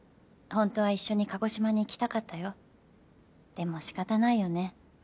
「でも仕方ないよね」